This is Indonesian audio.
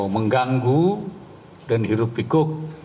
mengganggu dan hirup pikuk